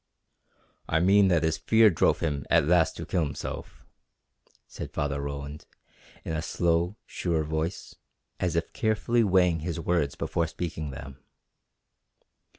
"I mean that his fear drove him at last to kill himself," said Father Roland in a slow, sure voice, as if carefully weighing his words before speaking them.